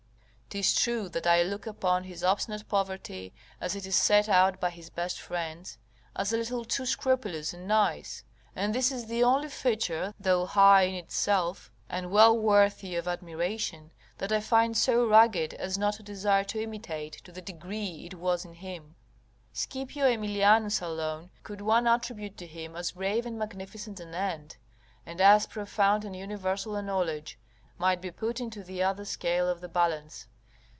'Tis true that I look upon his obstinate poverty, as it is set out by his best friends, as a little too scrupulous and nice; and this is the only feature, though high in itself and well worthy of admiration, that I find so rugged as not to desire to imitate, to the degree it was in him. Scipio AEmilianus alone, could one attribute to him as brave and magnificent an end, and as profound and universal a knowledge, might be put into the other scale of the balance.